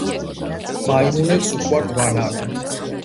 მაიმუნებს უყვართ ბანანი